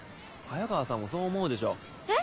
早川さんもそう思うでしょ？え？